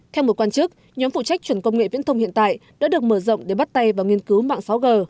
theo một quan chức nhóm phụ trách chuẩn công nghệ viễn thông hiện tại đã được mở rộng để bắt tay vào nghiên cứu mạng sáu g